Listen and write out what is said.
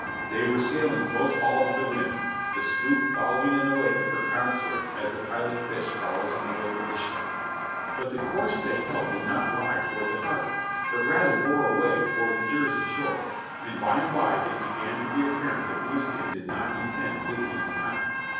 They were sailing close hauled to the wind, the sloop following in the wake of her consort as the pilot fish follows in the wake of the shark. But the course they held did not lie toward the harbor, but rather bore away toward the Jersey shore, and by and by it began to be apparent that Blueskin did not intend visiting the town.